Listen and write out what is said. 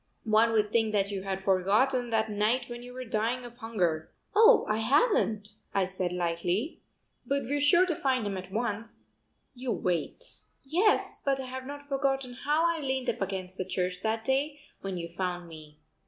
One would think that you had forgotten that night when you were dying of hunger." "Oh, I haven't," I said lightly, "but we're sure to find him at once. You wait." "Yes, but I have not forgotten how I leaned up against the church that day when you found me.